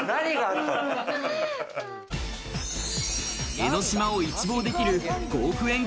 江の島を一望できる５億円超